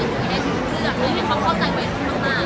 ช่องความหล่อของพี่ต้องการอันนี้นะครับ